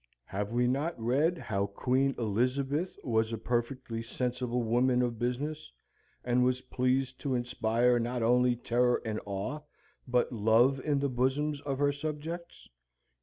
Have we not read how Queen Elizabeth was a perfectly sensible woman of business, and was pleased to inspire not only terror and awe, but love in the bosoms of her subjects?